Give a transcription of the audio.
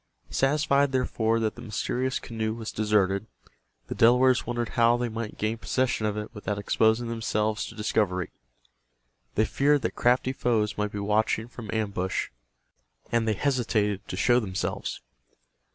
Satisfied, therefore, that the mysterious canoe was deserted, the Delawares wondered how they might gain possession of it without exposing themselves to discovery. They feared that crafty foes might be watching from ambush, and they hesitated to show themselves.